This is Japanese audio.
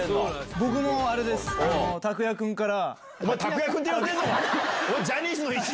僕もあれです、拓哉君から。